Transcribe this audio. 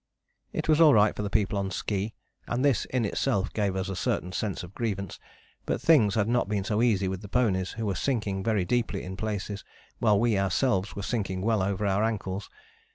" It was all right for the people on ski (and this in itself gave us a certain sense of grievance), but things had not been so easy with the ponies, who were sinking very deeply in places, while we ourselves were sinking well over our ankles.